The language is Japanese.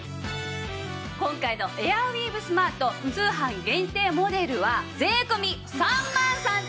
今回のエアウィーヴスマート通販限定モデルは税込３万３８８０円です！